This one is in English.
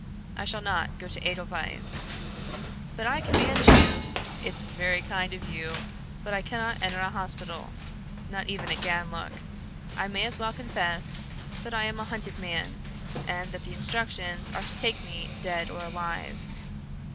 I shall not go to Edelweiss." "But I command you " "It's very kind of you, but I cannot enter a hospital not even at Ganlook. I may as well confess that I am a hunted man and that the instructions are to take me dead or alive."